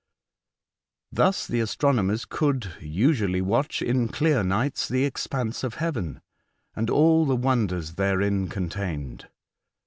Thus the astronomers could usually watch in clear nights the expanse of heaven, and all the wonders therein contained.